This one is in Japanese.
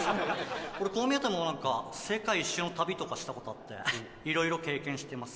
俺こう見えても何か世界一周の旅とかしたことあって色々経験してます